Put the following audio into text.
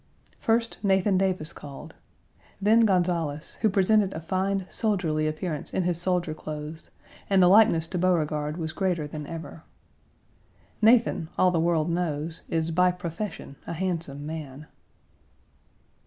First, Nathan Davis called. Then Gonzales, who presented a fine, soldierly appearance in his soldier clothes, and the likeness to Beauregard was greater than ever. Nathan, all the world knows, is by profession a handsome man.